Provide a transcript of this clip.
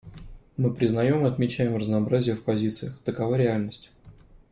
Мы признаем и отмечаем разнообразие в позициях: такова реальность.